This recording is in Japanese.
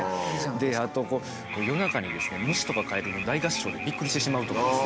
であとこう夜中にですね虫とかカエルの大合唱でびっくりしてしまうとかですね